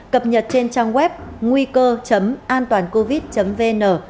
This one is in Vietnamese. cập nhật trên trang web nguycơ antoancovid vn